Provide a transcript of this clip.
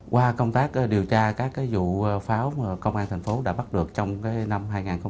qua công tác điều tra các vụ pháo công an thành phố đã bắt được trong năm hai nghìn hai mươi ba